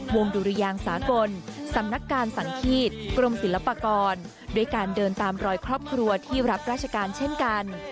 ดุริยางสากลสำนักการสังฆีตกรมศิลปากรด้วยการเดินตามรอยครอบครัวที่รับราชการเช่นกัน